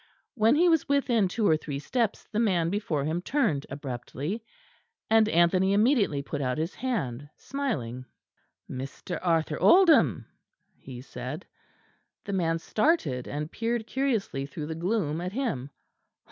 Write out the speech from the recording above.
When he was within two or three steps the man before him turned abruptly; and Anthony immediately put out his hand smiling. "Mr. Arthur Oldham," he said. The man started and peered curiously through the gloom at him.